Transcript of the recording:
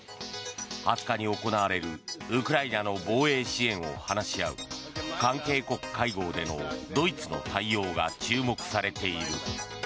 ２０日に行われるウクライナの防衛支援を話し合う関係国会合でのドイツの対応が注目されている。